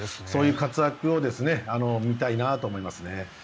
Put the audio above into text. そういう活躍を見たいなと思いますね。